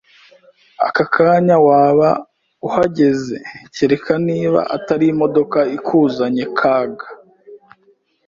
aka kanya wa uhageze Kereka nia atari imodoka ikuzanye! Kaga